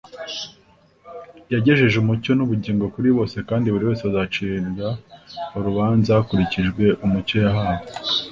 Yagejeje umucyo n'ubugingo kuri bose kandi buri wese azacira urubanza hakurikijwe umucyo yahawe.